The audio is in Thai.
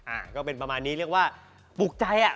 อ่าก็เป็นประมาณนี้เรียกว่าปลูกใจอ่ะ